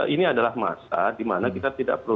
ini adalah masa dimana kita tidak perlu